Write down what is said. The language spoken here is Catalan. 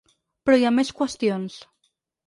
Però hi ha més qüestions.